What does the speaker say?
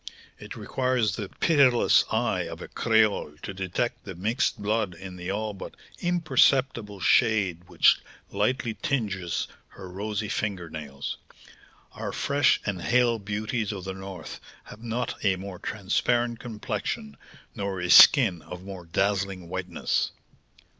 It requires the pitiless eye of a creole to detect the mixed blood in the all but imperceptible shade which lightly tinges her rosy finger nails. Our fresh and hale beauties of the North have not a more transparent complexion, nor a skin of more dazzling whiteness."